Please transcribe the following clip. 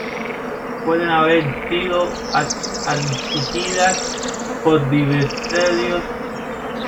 Pueden haber sido adquiridas por diversos medios: experiencia, formación inicial o continua.